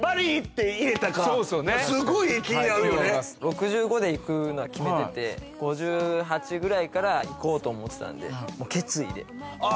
６５で行くのは決めてて５８ぐらいから行こうと思ってたんであ